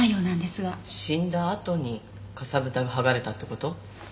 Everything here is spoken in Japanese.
死んだあとにかさぶたが剥がれたって事？